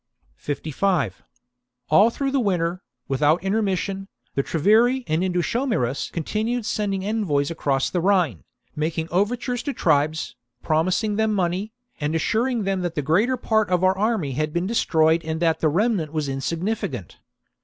ma^ruspre 5 5' ^11 through the winter, without inter figiu/° mission, the Treveri and Indutiomarus' continued sending envoys across the Rhine, making over tures to tribes, promising them money, and assuring them that the greater part of our army had been destroyed and that the rexrinant was insignificant.